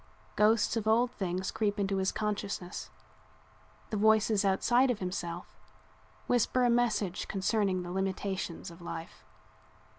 Ghosts of old things creep into his consciousness; the voices outside of himself whisper a message concerning the limitations of life.